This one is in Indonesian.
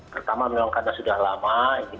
pertama memang karena sudah lama